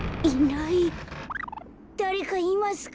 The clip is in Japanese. だれかいますか？